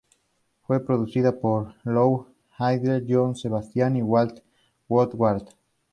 Fue producida por Lou Adler, John Sebastian y Walt Woodward.